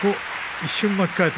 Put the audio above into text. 一瞬、巻き替えた。